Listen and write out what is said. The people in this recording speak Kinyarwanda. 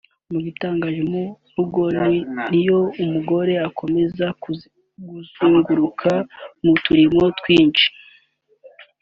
Igitangaje mu rugo n’iyo umugore akomeza kuzenguruka mu turimo twinshi